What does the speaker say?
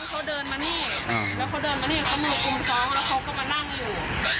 เขาเดินมานี่มานี่เค้าก็มานั่งอยู่